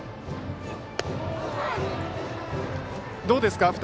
どうですか？